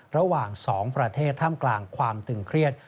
ระหว่างสองประเทศท่ามกลางความตึงเครียด